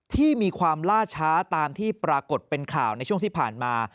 ที่มีความล่าช้าตามที่ปรากฏเป็นข่าวในช่วงที่ผ่านมา